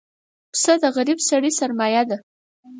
پسه د غریب سړي سرمایه ده.